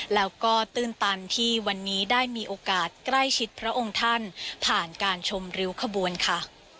แล้วก็ตื้นตันที่วันนี้ได้มีโอกาสใกล้ชิดพระองค์ท่านผ่านการชมริ้วขบวนค่ะ